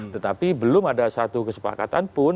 tetapi belum ada satu kesepakatan pun